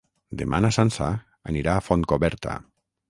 Demà na Sança anirà a Fontcoberta.